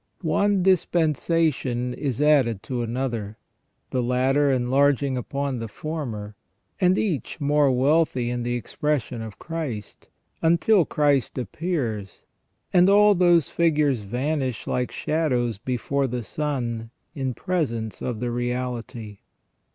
One dispensation is added to another, the latter enlarging upon the former, and each more wealthy in the expression of Christ, until Christ appears, and all those figures vanish like shadows before the sun in presence of the reality.